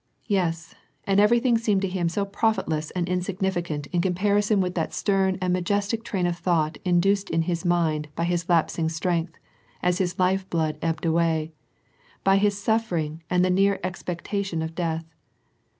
Yes, and everything seemed to him so profitless and insigm»' ficant in comparison with that stern and majestic train of i thought induced in his mind by his lapsing strength, as his life* blood ebbed away, by his suffering and the near expectation of death.